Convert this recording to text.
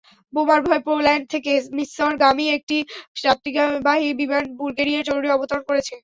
বোমার ভয়ে পোল্যান্ড থেকে মিসরগামী একটি যাত্রীবাহী বিমান বুলগেরিয়ায় জরুরি অবতরণ করেছে।